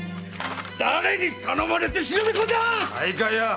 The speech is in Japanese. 誰に頼まれて忍び込んだ⁉西海屋